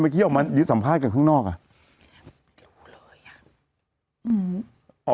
เมื่อกี้ยินสัมภาษณ์กันข้างนอกอ่ะ